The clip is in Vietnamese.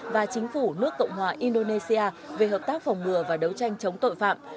và chính phủ nước cộng hòa indonesia về hợp tác phòng ngừa và đấu tranh chống tội phạm